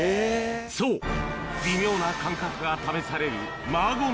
そう微妙な感覚が試されるマーゴン